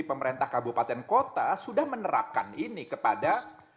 pemerintah kabupaten kota sudah menerapkan ini kepada